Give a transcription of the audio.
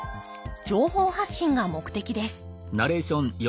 情報発信が目的です